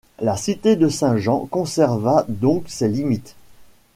La cité de Saint-jean conserva donc ses limites.